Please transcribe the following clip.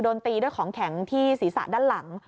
โดนตีด้วยของแข็งที่ศีรษะด้านหลัง